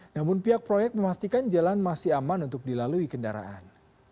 namun pihak proyek memastikan jalan masih aman untuk dilalui kendaraan